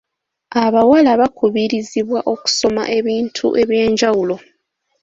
Abawala bakubirizibwa okusoma ebintu eby'enjawulo.